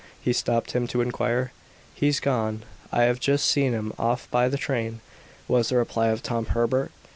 he stopped him to inquire. "He's gone; I have just seen him off by the train," was the reply of Tom Herbert.